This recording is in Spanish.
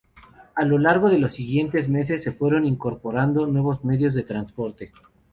A lo largo de los siguientes meses se fueron incorporando nuevos medios de transporte.